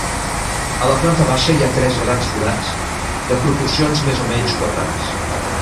A la planta baixa hi ha tres grans forats, de proporcions més o menys quadrades.